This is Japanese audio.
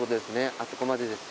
あそこまでです。